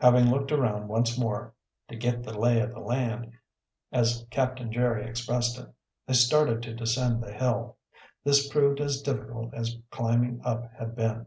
Having looked around once more, to "git the lay o' the land," as Captain Jerry expressed it, they started to descend the hill. This proved as difficult as climbing up had been.